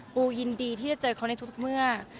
ปูยินดีที่จะเจอเขาในทุกเมื่อ